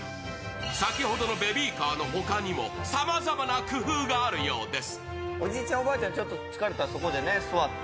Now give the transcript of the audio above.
先ほどのベビーカーのほかにもさまざまな工夫があるようです。